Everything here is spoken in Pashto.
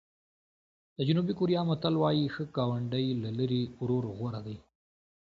د جنوبي کوریا متل وایي ښه ګاونډی له لرې ورور غوره دی.